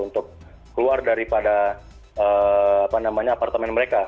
untuk keluar daripada apartemen mereka